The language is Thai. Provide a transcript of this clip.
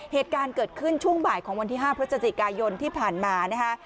เหตุการณ์เกิดขึ้นช่วงบ่ายของวันที่๕พฤศจิกายนที่ผ่านมานะคะ